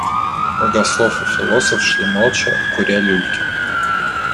Богослов и философ шли молча, куря люльки.